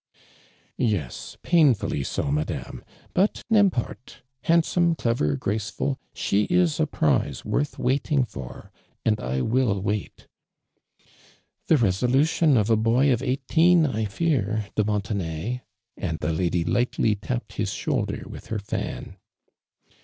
"Yes, painfully so. Madame; but, ii'itn porti' ! llandsome, clever, graceful, she is ix prize worth waiting for, and I will wait!" '•The resolutiim of a boy of eighteen, I fear, de Montenay !"" and tho lady lightly tjipped his shoulder with her fan.